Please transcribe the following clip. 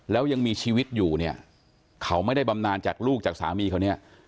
แล้วยังมีชีวิตอยู่เนี่ยเขาไม่ได้บำนานจากลูกจากสามีเขาเนี่ย